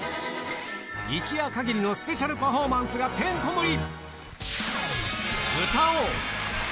一夜限りのスペシャルパフォーマンスがてんこ盛り。